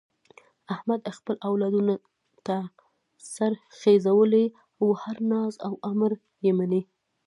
احمد خپل اولادونه سرته خېژولي، هر ناز او امر یې مني.